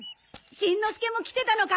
しんのすけも来てたのか。